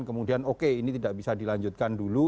kemudian oke ini tidak bisa dilanjutkan dulu